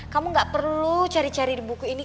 kamu gak perlu cari cari di buku ini